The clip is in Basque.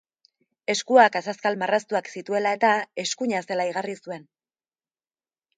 Eskuak azazkal marraztuak zituela-eta, eskuina zela igarri zuen